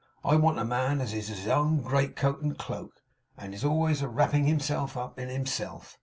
I want a man as is his own great coat and cloak, and is always a wrapping himself up in himself.